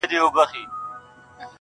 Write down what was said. له هیواده د منتر د کسبګرو!!